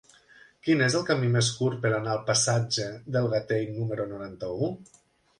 Quin és el camí més curt per anar al passatge del Gatell número noranta-u?